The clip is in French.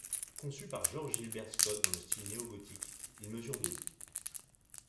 Conçu par George Gilbert Scott dans le style néogothique, il mesure de haut.